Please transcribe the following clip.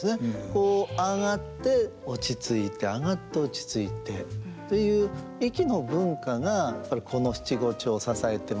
こう上がって落ち着いて上がって落ち着いてという息の文化がやっぱりこの七五調を支えてますね。